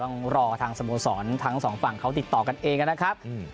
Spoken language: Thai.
ต้องรอทางสโมสรทั้งสองฝั่งเขาติดต่อกันเองนะครับ